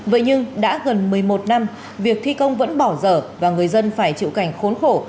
vậy nhưng đã gần một mươi một năm việc thi công vẫn bỏ dở và người dân phải chịu cảnh khốn khổ